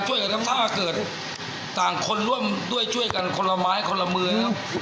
ช่วยกันตามท่าเกิดต่างคนร่วมด้วยช่วยกันคนละไม้คนละมือครับ